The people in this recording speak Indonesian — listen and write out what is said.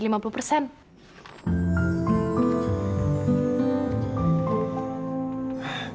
terima kasih banget ya sayang